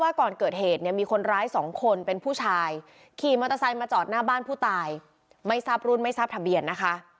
ก่อนเกิดเหตุเนี่ยมีคนร้ายสองคนเป็นผู้ชายขี่มอเตอร์ไซค์มาจอดหน้าบ้านผู้ตายไม่ทราบรุ่นไม่ทราบทะเบียนนะคะ